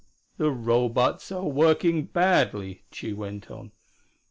"The Robots are working badly," Tugh went on.